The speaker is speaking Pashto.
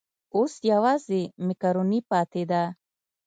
اوس یوازې مېکاروني پاتې ده.